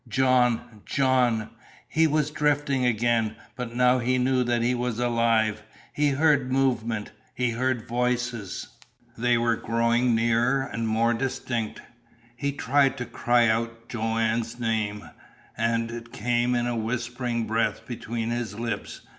"John John " He was drifting again, but now he knew that he was alive. He heard movement. He heard voices. They were growing nearer and more distinct. He tried to cry out Joanne's name, and it came in a whispering breath between his lips.